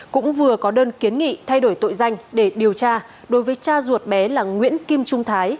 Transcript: cũng vừa có đơn kiến nghị thay đổi tội danh để điều tra đối với cha ruột bé là nguyễn kim trung thái